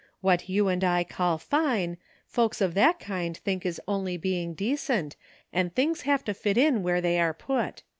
What you and I call fine, folks of that kind think is only being decent, and thing i have to fit in where they are put.